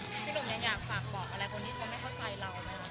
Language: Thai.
พี่หนุ่มยังอยากฝากบอกอะไรคนที่เขาไม่เข้าใจเราไหมคะ